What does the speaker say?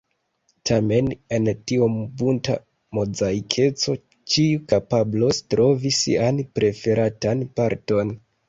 Tamen en tiom bunta mozaikeco ĉiu kapablos trovi sian preferatan parton.